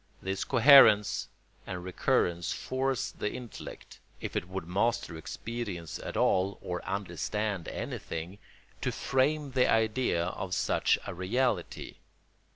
This coherence and recurrence force the intellect, if it would master experience at all or understand anything, to frame the idea of such a reality.